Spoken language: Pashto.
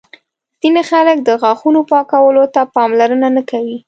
ځینې خلک د غاښونو پاکولو ته پاملرنه نه کوي.